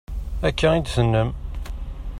Akka i d-tennam.